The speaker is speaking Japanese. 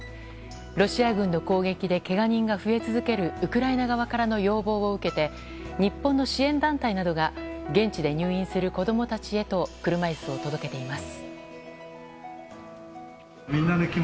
ロシア軍の攻撃でけが人が増え続けるウクライナ側からの要望を受けて日本の支援団体などが現地で入院する子供たちへと車椅子を届けています。